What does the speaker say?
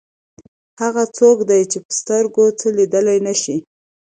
هغه څوک دی چې په سترګو څه لیدلی نه شي.